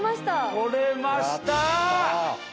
取れました。